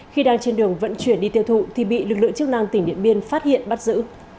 khi đang trên đường vận chuyển đi tiêu thụ thì bị lực lượng chức năng tỉnh điện biên phát hiện bắt giữ